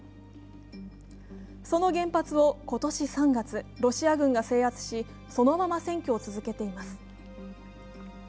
その原発を今年３月、ロシア軍が制圧し、そのまま占拠を続けています。